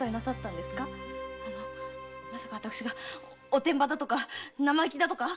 まさか私がおてんばだとか生意気だとか？